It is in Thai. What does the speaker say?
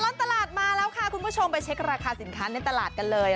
ตลอดตลาดมาแล้วค่ะคุณผู้ชมไปเช็คราคาสินค้าในตลาดกันเลย